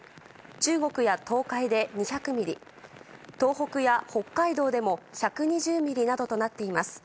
中国や東海で２００ミリ東北や北海道でも１２０ミリなどとなっています。